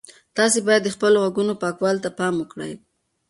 تاسي باید د خپلو غوږونو پاکوالي ته پام وکړئ.